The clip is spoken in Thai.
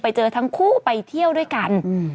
เจอทั้งคู่ไปเที่ยวด้วยกัน